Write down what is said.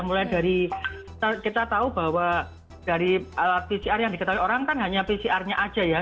mulai dari kita tahu bahwa dari alat pcr yang diketahui orang kan hanya pcr nya aja ya